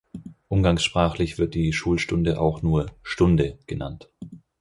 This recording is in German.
Umgangssprachlich wird die Schulstunde auch nur "Stunde" genannt.